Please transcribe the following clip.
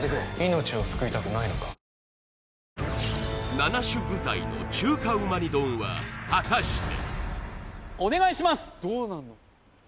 ７種具材の中華旨煮丼は果たしてお願いします